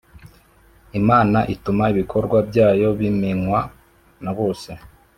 Imana ituma ibikorwa byayo bimenkwa nabose